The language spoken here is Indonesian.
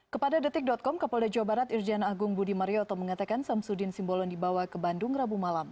kepada detik com kapolda jawa barat irjen agung budi marioto mengatakan samsudin simbolon dibawa ke bandung rabu malam